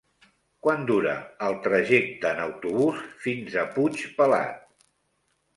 Quant dura el trajecte en autobús fins a Puigpelat?